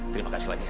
terima kasih banyak